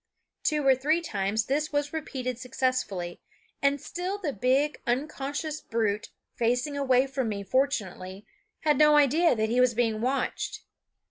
Two or three times this was repeated successfully, and still the big, unconscious brute, facing away from me fortunately, had no idea that he was being watched.